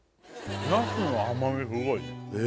なすの甘みすごい